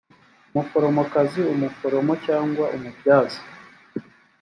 umuforomokazi umuforomo cyangwa umubyaza